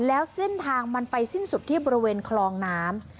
แล้วเส้นทางมันไปสิ้นสุดที่บริเวณคลองน้ำ